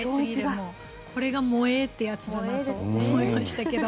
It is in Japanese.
これが萌えってやつだなと思いましたけど。